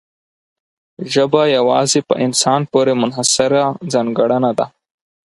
ژبه یوازې په انسان پورې منحصره ځانګړنه ده.